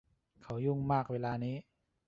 เขายุ่งมากเวลานี้